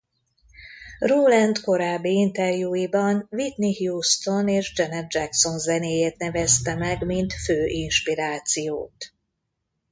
Rowland korábbi interjúiban Whitney Houston és Janet Jackson zenéjét nevezte meg mint fő inspirációt.